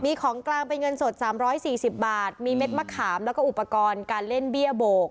มีของกลางเป็นเงินสด๓๔๐บาทมีเม็ดมะขามแล้วก็อุปกรณ์การเล่นเบี้ยโบก